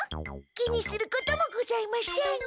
気にすることもございません。